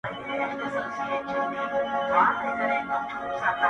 تا له وجوده روح ته څو دانې پوښونه جوړ کړل,